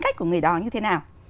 cách của người đó như thế nào